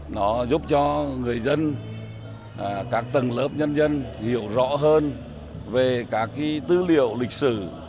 nó giúp cho người dân các tầng lớp nhân dân hiểu rõ hơn về các cái tư liệu lịch sử